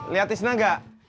lihat tisna enggak